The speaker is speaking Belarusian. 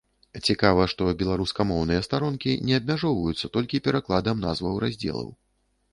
Цікава, што беларускамоўныя старонкі не абмяжоўваецца толькі перакладам назваў раздзелаў.